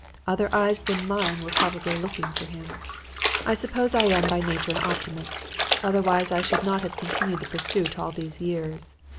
Other eyes than mine were probably looking for him. "I suppose I am by nature an optimist; otherwise I should not have continued the pursuit all these years.